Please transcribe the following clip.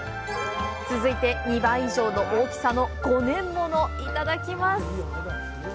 続いて、２倍以上の大きさの５年ものをいただきます。